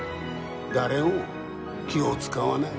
誰も木を使わない。